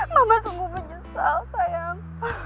mama sungguh menyesal sayang